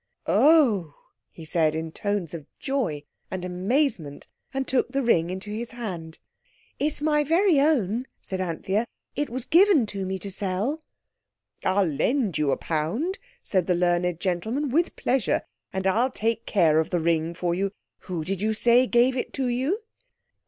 "Oh!" he said in tones of joy and amazement, and took the ring into his hand. "It's my very own," said Anthea; "it was given to me to sell." "I'll lend you a pound," said the learned gentleman, "with pleasure; and I'll take care of the ring for you. Who did you say gave it to you?"